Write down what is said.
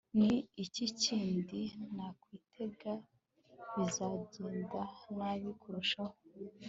ni iki kindi nakwitega; bizagenda nabi kurushaho